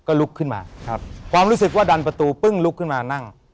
ก็ลุกขึ้นมาครับความรู้สึกว่าดันประตูปึ้งลุกขึ้นมานั่ง